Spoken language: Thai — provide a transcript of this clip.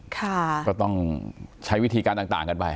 ก็ต้องใช้วิธีการต่างกันไป